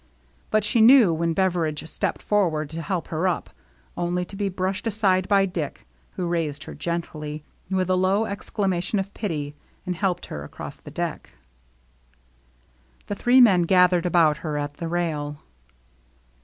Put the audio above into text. . But she knew when Beveridge stepped forward to help her up, only to be brushed aside by Dick, who raised her gendy, with a low exclamation of pity, and helped her across the deck. The three men gathered about her at the rail.